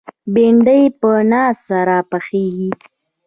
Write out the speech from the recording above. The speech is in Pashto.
بېنډۍ په ناز سره پخېږي